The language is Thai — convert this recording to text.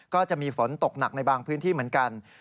ก็จะมีฝนตกหนักในบางพื้นที่เหมือนกัน